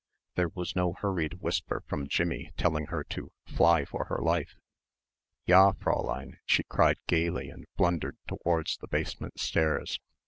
There was no hurried whisper from Jimmie telling her to "fly for her life." "Ja, Fräulein," she cried gaily and blundered towards the basement stairs.